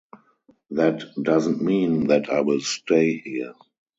That doesn't mean that I will stay here.